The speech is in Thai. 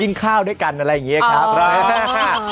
ข้าวด้วยกันอะไรอย่างนี้ครับ